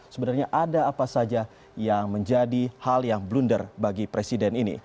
sebenarnya ada apa saja yang menjadi hal yang blunder bagi presiden ini